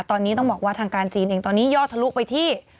ตอนนี้ต้องบอกว่าทางการจีนเองตอนนี้ยอดทะลุไปที่